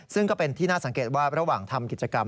ซึ่งก็เป็นที่น่าสังเกตว่าระหว่างทำกิจกรรม